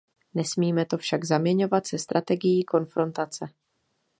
Nesmíme to však zaměňovat se strategií konfrontace.